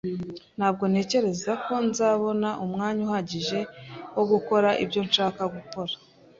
Ntabwo ntekereza ko nzabona umwanya uhagije wo gukora ibyo nshaka gukora